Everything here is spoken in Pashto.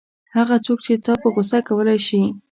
هغه څوک چې تا په غوسه کولای شي.